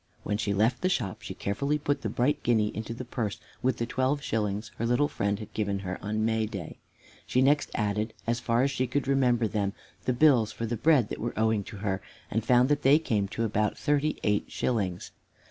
When she left the shop she carefully put the bright guinea into the purse with the twelve shillings her little friends had given her on Mayday. She next added, as far as she could remember them, the bills for bread that were owing to her, and found they came to about thirty eight shillings.